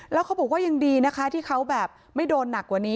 แล้วเขาบอกว่ายังดีนะคะที่เขาแบบไม่โดนหนักกว่านี้